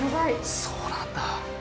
そうなんだ。